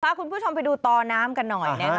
คุณผู้ชมไปดูตอน้ำกันหน่อย